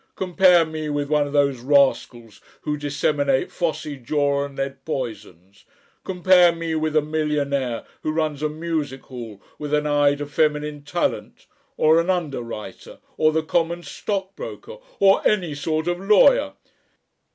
Compare me with one of those rascals who disseminate phossy jaw and lead poisons, compare me with a millionaire who runs a music hall with an eye to feminine talent, or an underwriter, or the common stockbroker. Or any sort of lawyer....